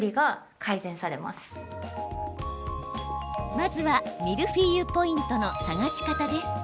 まずは、ミルフィーユポイントの探し方です。